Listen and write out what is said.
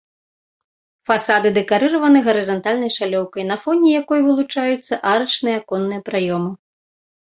Фасады дэкарыраваны гарызантальнай шалёўкай, на фоне якой вылучаюцца арачныя аконныя праёмы.